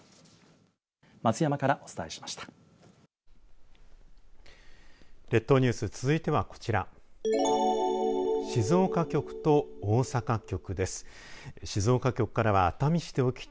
松山からお伝えしました。